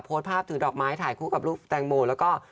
โพสต์ภาพถือดอกไม้ถ่ายคู่กับลูกแตงโมแล้วก็